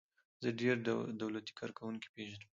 زه ډیر دولتی کارکوونکي پیژنم.